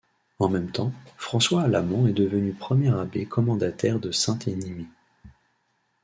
En même temps, François Alamand est devenu premier abbé commendataire de Sainte-Énimie.